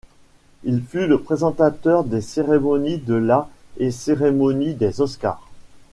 Il fut le présentateur des cérémonies de la et cérémonie des Oscars.